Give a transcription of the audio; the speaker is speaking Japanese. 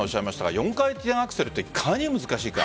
４回転アクセルってかなり難しいかな。